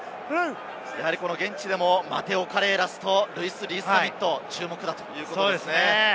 現地でもマテオ・カレーラスとリース＝ザミット、注目だということでしたね。